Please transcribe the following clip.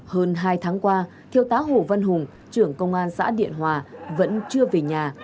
hơn hai tháng qua thiêu tá hồ văn hùng trưởng công an xã điện hòa vẫn chưa về nhà